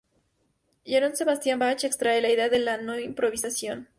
De Johann Sebastian Bach extrae la idea de la no improvisación.